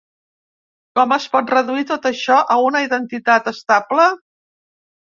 Com es pot reduir tot això a una identitat estable?